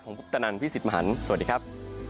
ผมพุทธนันพี่สิทธิ์มหันฯสวัสดีครับ